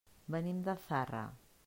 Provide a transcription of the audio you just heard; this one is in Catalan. Venim de Zarra.